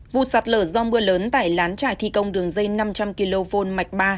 vụ sạt lở do mưa lớn tại lán trải thi công đường dây năm trăm linh kv mạch ba